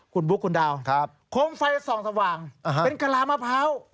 คุณบุ๊คคุณดาวครับโคมไฟส่องสว่างมะพร้าว